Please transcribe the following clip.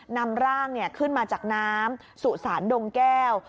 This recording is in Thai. นำร่างขึ้นมาจากน้ำสุสานดงแก้ว